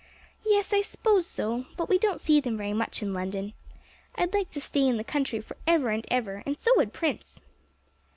'Yes, I s'pose so; but we don't see them very much in London. I'd like to stay in the country for ever and ever, and so would Prince.'